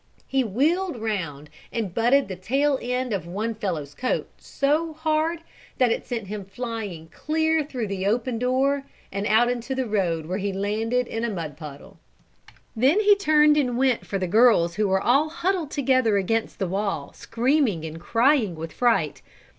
He wheeled round and butted the tail end of one fellow's coat so hard that it sent him flying clear through the open door and out into the road where he landed in a mud puddle. Then he turned and went for the girls who were all huddled together against the wall, screaming and crying with fright.